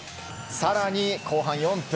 さらに後半４分。